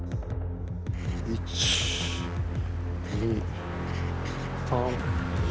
１２３。